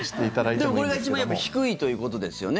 でも、これが一番やっぱり低いということですよね。